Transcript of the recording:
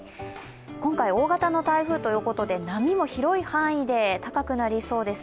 今回、大型の台風ということで波も広い範囲で高くなりそうです。